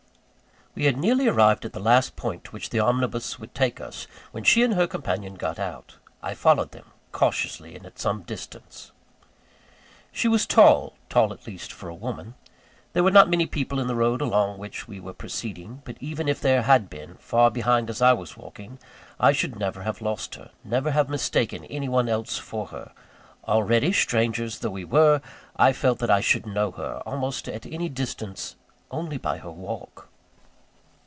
We had nearly arrived at the last point to which the omnibus would take us, when she and her companion got out. I followed them, cautiously and at some distance. She was tall tall at least for a woman. There were not many people in the road along which we were proceeding; but even if there had been, far behind as I was walking, I should never have lost her never have mistaken any one else for her. Already, strangers though we were, I felt that I should know her, almost at any distance, only by her walk.